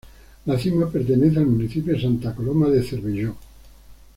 La Cima pertenece al municipio de Santa Coloma de Cervelló.